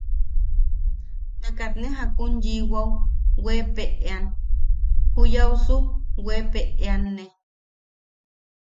Ta katne jakun yiʼiwao, weepeʼean juyausune, weanpeʼeanne.